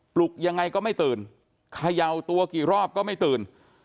ลุกยังไงก็ไม่ตื่นเขย่าตัวกี่รอบก็ไม่ตื่น